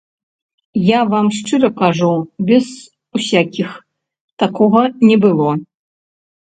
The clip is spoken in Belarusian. Я вам шчыра кажу, без усякіх, такога не было.